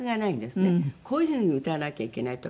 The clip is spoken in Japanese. こういう風に歌わなきゃいけないとか。